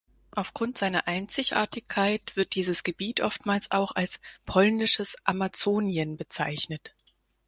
Aufgrund seiner Einzigartigkeit wird dieses Gebiet oftmals auch als "Polnisches Amazonien" bezeichnet.